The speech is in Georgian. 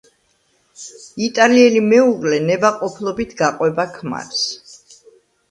იტალიელი მეუღლე ნებაყოფლობით გაყვება ქმარს.